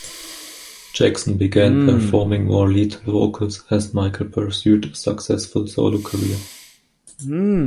Jackson began performing more lead vocals as Michael pursued a successful solo career.